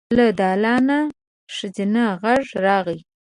له دالانه ښځينه غږ راغی.